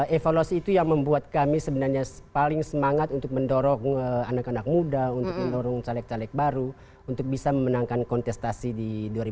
evaluasi itu yang membuat kami sebenarnya paling semangat untuk mendorong anak anak muda untuk mendorong caleg caleg baru untuk bisa memenangkan kontestasi di dua ribu dua puluh